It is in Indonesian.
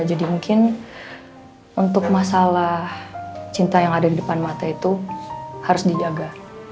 jadi mungkin untuk masalah cinta yang ada di depan mata itu harus dijaga